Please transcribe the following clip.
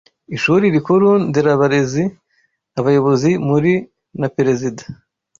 Ishuri Rikuru Nderabarezi Abayobozi muri na Perezida